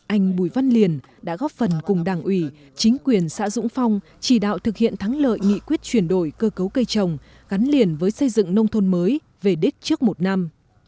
anh bùi văn liền đã góp phần cùng đảng ủy chính quyền xã dũng phong chỉ đạo thực hiện thắng lợi nghị quyết chuyển đổi cơ cấu cây trồng gắn liền với xây dựng nông thôn mới về đích trước một năm